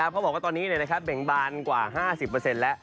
เขาบอกว่าตอนนี้เนี่ยนะครับเบ่งบานกว่า๕๐แล้ว